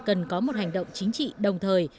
cần có một hành động chính trị đồng thời